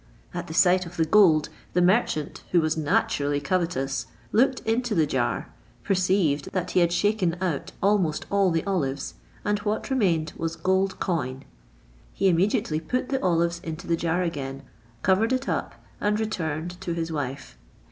At the sight of the gold, the merchant, who was naturally covetous, looked into the jar, perceived that he had shaken out almost all the olives, and what remained was gold coin. He immediately put the olives into the jar again, covered it up, and returned to his wife.